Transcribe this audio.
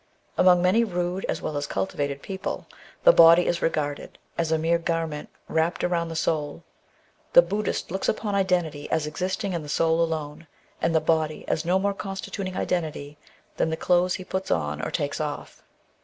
Among many rude as well as cultivated people, the body is regarded as a mere garment wrapped around the soul. The Buddist looks upon identity as existing in the soul alone, and the body as no more constituting identity, than the clothes he puts on or takes off.